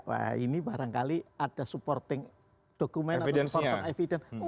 wah ini barangkali ada supporting document atau supporting evidence